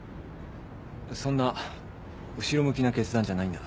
そんな後ろ向きな決断じゃないんだ。